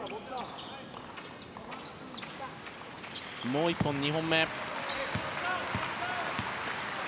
もう１本、２本目。